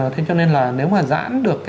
thế cho nên là nếu mà giãn được